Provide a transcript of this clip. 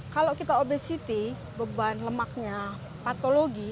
kalau kita obesitas beban lemaknya patologi